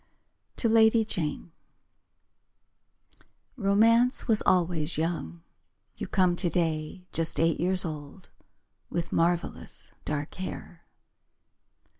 To Lady Jane Romance was always young. You come today Just eight years old With marvellous dark hair.